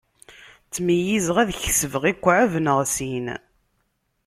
Ttmeyyizeɣ ad kesbeɣ ikɛeb neɣ sin.